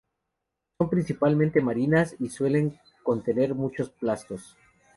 Son principalmente marinas y suelen contener muchos plastos.